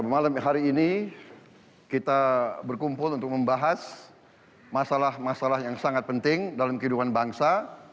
malam hari ini kita berkumpul untuk membahas masalah masalah yang sangat penting dalam kehidupan bangsa